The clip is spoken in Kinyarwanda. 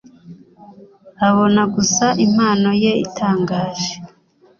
Abona gusa impano ye itangaje